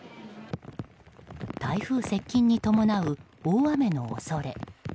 台風接近に伴う大雨の恐れ。